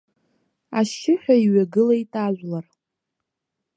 Ашьшьыҳәа иҩагылеит ажәлар.